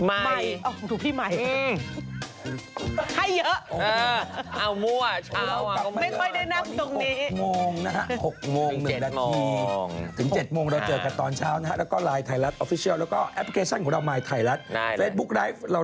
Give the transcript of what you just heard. แอดิแดดินสวัสดีค่ะพาวใส่ไข่สดใหม่อ๋อถูกพี่ใหม่